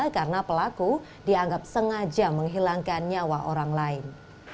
karena pelaku dianggap sengaja menghilangkan nyawa orang lain